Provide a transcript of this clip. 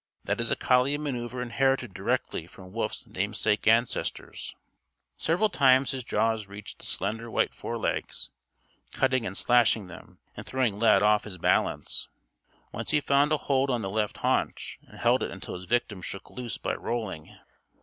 That is a collie manoeuver inherited direct from Wolf's namesake ancestors. Several times his jaws reached the slender white forelegs, cutting and slashing them and throwing Lad off his balance. Once he found a hold on the left haunch and held it until his victim shook loose by rolling.